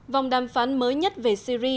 vòng đàm phán mới nhất về syri